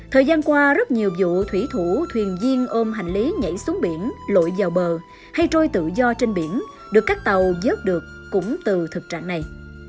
thời gian qua rất nhiều vụ thủy thủ thuyền viên ôm hành lý nhảy xuống biển lội vào bờ hay trôi tự do trên biển được các tàu giớt được cũng từ thực trạng này